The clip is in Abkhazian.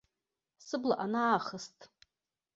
Сыбла анаахыст.